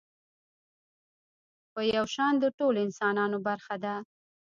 په يو شان د ټولو انسانانو برخه ده.